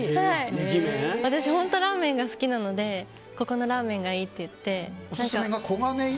私、本当、ラーメンが好きなのでここのラーメンがいいって言って。